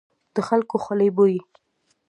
د خلکو خولې بويي.